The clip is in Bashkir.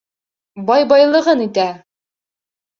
Бай байлығын итә: